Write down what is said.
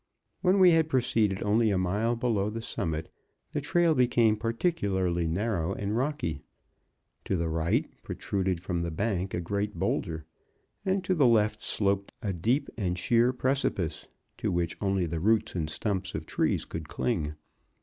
When we had proceeded only a mile below the summit, the trail became particularly narrow and rocky. To the right, protruded from the bank a great boulder, and to the left sloped a deep and sheer precipice, to which only the roots and stumps of trees could cling.